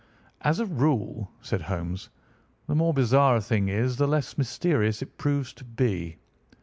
"As a rule," said Holmes, "the more bizarre a thing is the less mysterious it proves to be.